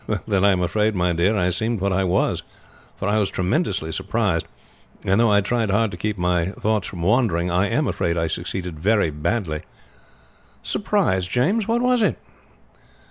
"Then I am afraid, my dear, I seemed what I was, for I was tremendously surprised; and though I tried hard to keep my thoughts from wandering I am afraid I succeeded very badly." "Surprised, James! What was it?"